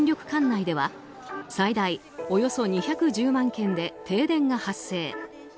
管内では最大およそ２１０万軒で停電が発生。